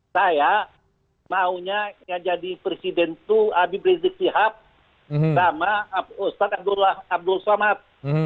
saya maunya jadi presiden tuh abib rizieq tihab sama ustaz abdul salamat